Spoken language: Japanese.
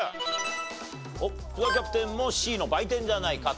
福澤キャプテンもＣの売店じゃないかと。